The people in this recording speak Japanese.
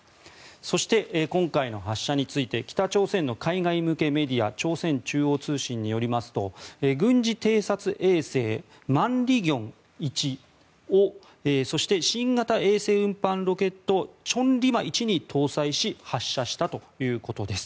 そして、今回の発射について北朝鮮の海外向けメディア朝鮮中央通信によりますと軍事偵察衛星マンリギョン１をそして新型衛星運搬ロケット千里馬１に搭載し発射したということです。